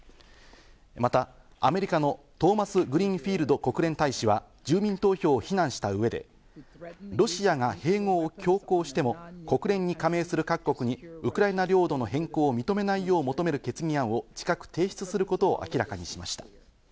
またアメリカのトーマスグリーンフィールド国連大使は、住民投票を非難した上で、ロシアが併合を強行しても国連に加盟する各国にウクライナ領土の変更を認めないよう求める決議案を近く提出することは明らかにしました。